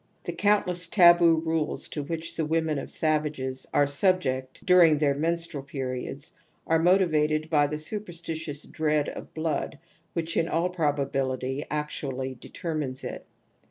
The countless taboo rules to which the women of savages are subject during their menstrual /periods are motivated by the superstitious dread of blood which in all probability actually determines it.